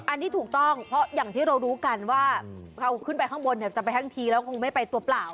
อันนี้ถูกต้องเพราะอย่างที่เรารู้กันว่าเราขึ้นไปข้างบนจะไปทั้งทีแล้วคงไม่ไปตัวเปล่า